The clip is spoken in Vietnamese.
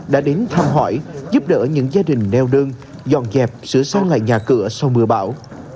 đã đến thăm hỏi giúp đỡ những gia đình leo đơn dọn dẹp sửa xong lại nhà cửa sau mưa bão